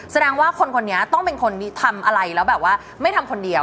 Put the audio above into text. แสดงว่าคนคนนี้ต้องเป็นคนทำอะไรแล้วแบบว่าไม่ทำคนเดียว